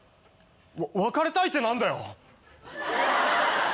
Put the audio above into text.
別れたいって何だよ。